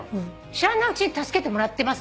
知らないうちに助けてもらってますよ。